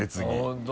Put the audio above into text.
本当？